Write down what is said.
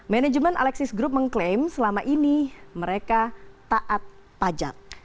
manajemen alexis group mengklaim selama ini mereka taat pajak